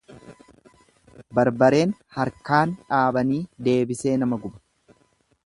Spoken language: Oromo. Barbareen harkaan dhaabanii deebisee nama guba.